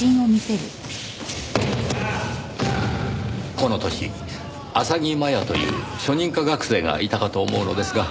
この年浅木真彩という初任科学生がいたかと思うのですが。